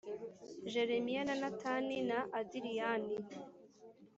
Jelemiya na Natani na Adiriyani.